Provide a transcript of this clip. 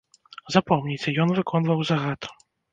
Запомніце, ён выконваў загад.